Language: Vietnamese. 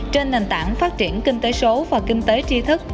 trên nền tảng phát triển kinh tế số và kinh tế tri thức